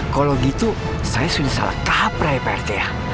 kalau gitu saya sudah salah tahap raya pak rt ya